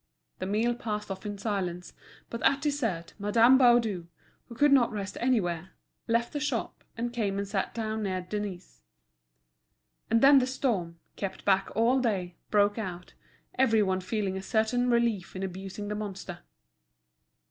The meal passed off in silence, but at dessert Madame Baudu, who could not rest anywhere, left the shop, and came and sat down near Denise. And then the storm, kept back all day, broke out, every one feeling a certain relief in abusing the monster.